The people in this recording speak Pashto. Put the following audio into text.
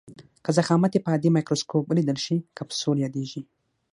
که ضخامت یې په عادي مایکروسکوپ ولیدل شي کپسول یادیږي.